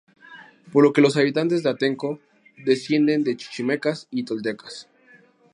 Por lo que los habitantes de Atenco descienden de chichimecas y toltecas.